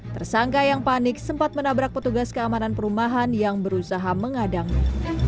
tersangka yang panik sempat menabrak petugas keamanan perumahan yang berusaha mengadangnya